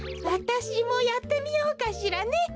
わたしもやってみようかしらね。